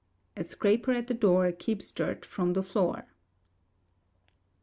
[A SCRAPER AT THE DOOR KEEPS DIRT FROM THE FLOOR.